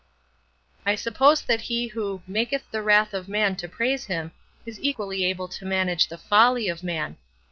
I suppose that He who "maketh the wrath of man to praise Him" is equally able to manage the folly of man.